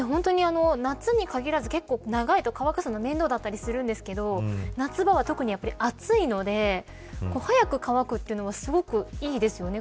夏に限らず長いと乾かすのが面倒だったりするんですけど夏場は特に暑いので早く乾くというのはすごくいいですよね。